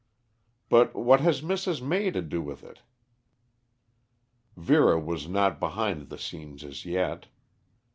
But what has Mrs. May to do with it?" Vera was not behind the scenes as yet.